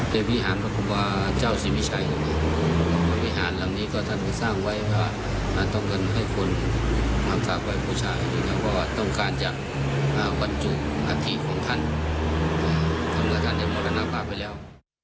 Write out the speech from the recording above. จังอะไรต่างไว้ให้กับชาวพะเยาว์